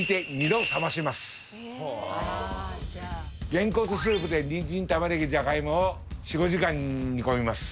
げんこつスープでニンジン玉ねぎジャガイモを４５時間煮込みます。